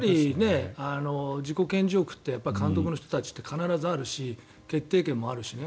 自己顕示欲って監督の人たちって必ずあるし決定権もあるしね。